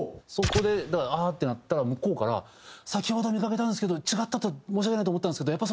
そこでだからああってなったら向こうから「先ほど見かけたんですけど違ったら申し訳ないと思ったんですけど